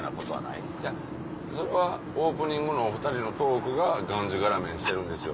いやそれはオープニングのお２人のトークががんじがらめにしてるんですよ。